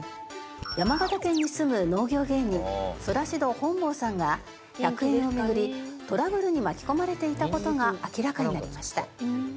山形県に住む農業芸人ソラシド本坊さんが１００円を巡りトラブルに巻き込まれていた事が明らかになりました。